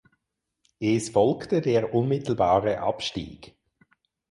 Es folgte der unmittelbare Abstieg.